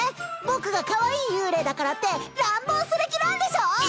僕がかわいい幽霊だからって乱暴する気なんでしょ！？